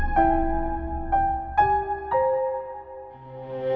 saya dari indonesia itu kedatangan